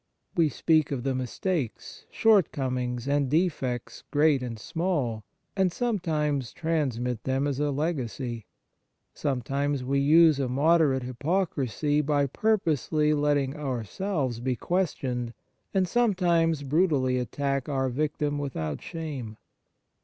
We speak of the mistakes, shortcomings, and defects, great and small, and sometimes transmit them as a legacy. Sometimes we use a moderate hypocrisy by purposely letting ourselves be questioned, and sometimes brutally attack our victim without shame.